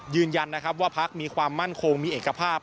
ยืนยันนะครับว่าพักมีความมั่นคงมีเอกภาพ